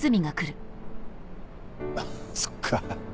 あそっか。